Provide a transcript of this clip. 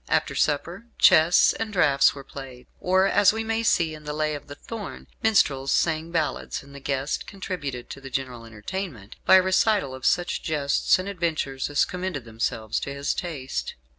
After supper, chess and draughts were played, or (as we may see in "The Lay of the Thorn") minstrels sang ballads and the guest contributed to the general entertainment by the recital of such jests and adventures as commended themselves to his taste.